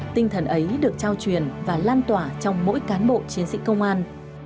tinh thần ấy được trao truyền và lan tỏa trong mỗi cán bộ chiến sĩ công an